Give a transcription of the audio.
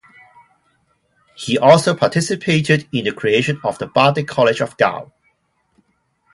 He also participated in the creation of the Bardic College of Gaul.